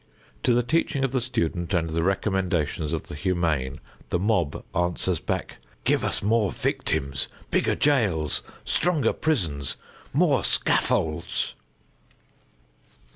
To the teaching of the student and the recommendations of the humane the mob answers back: "Give us more victims, bigger jails, stronger prisons, more scaffolds!"